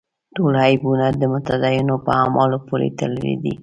ټول عیبونه د متدینو په اعمالو پورې تړلي دي.